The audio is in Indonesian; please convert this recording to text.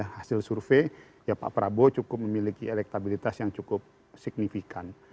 hasil survei ya pak prabowo cukup memiliki elektabilitas yang cukup signifikan